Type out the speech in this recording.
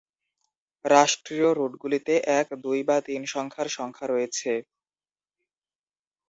রাষ্ট্রীয় রুটগুলিতে এক, দুই বা তিন সংখ্যার সংখ্যা রয়েছে।